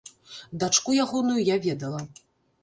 Дачку ягоную я ведала.